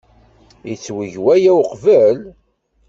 Yettweg waya uqbel?